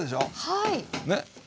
はい。